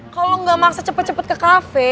kalau lo gak maksa cepet cepet ke kafe